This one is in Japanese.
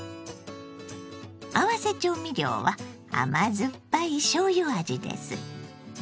合わせ調味料は甘酸っぱいしょうゆ味です。